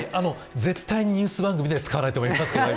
絶対にニュース番組では使わないと思いますけどね。